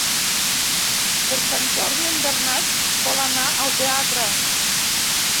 Per Sant Jordi en Bernat vol anar al teatre.